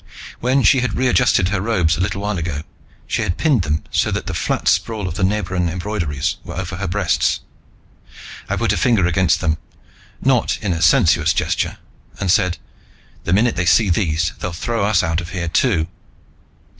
When she had readjusted her robes a little while ago, she had pinned them so that the flat sprawl of the Nebran embroideries was over her breasts. I put a finger against them, not in a sensuous gesture, and said, "The minute they see these, they'll throw us out of here, too."